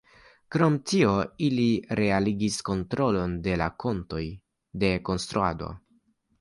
Krom tio ili realigis kontrolon de la kontoj de konstruado.